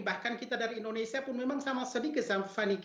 bahkan kita dari indonesia pun memang sama sedikit